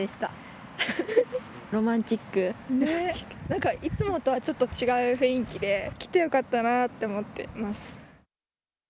なんかいつもとは違う雰囲気で来てよかったなって思ってます。